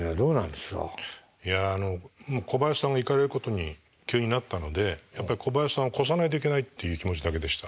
いや小林さんが行かれることに急になったのでやっぱり小林さんを超さないといけないという気持ちだけでした。